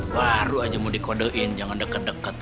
baru aja mau dikodein jangan deket deket